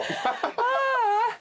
ああ！